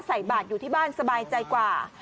ใส่บาทอยู่ที่บ้านสบายใจกว่า